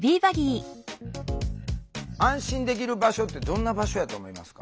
安心できる場所ってどんな場所やと思いますか？